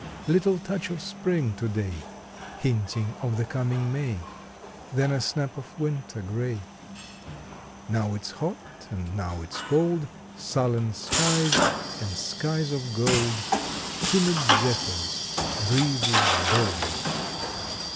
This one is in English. Little touch of spring to day Hinting of the coming May Then a snap of winter gray. Now it s hot, and now it s cold, Sullen skies, and skies of gold, Timid zephyrs, breezes bold.